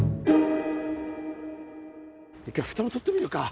一回蓋も取ってみるか。